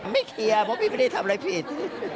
ไม่เคลียร์เพราะพี่ไม่ได้ทำอะไรผิด